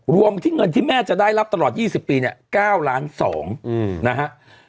รวมที่เงินที่แม่จะได้รับตลอด๒๐ปีเนี่ย๙ล้าน๒นะฮะ